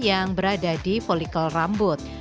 yang berada di volikel rambut